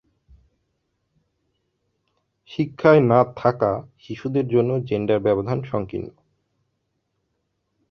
শিক্ষায় না থাকা শিশুদের জন্য জেন্ডার ব্যবধান সংকীর্ণ।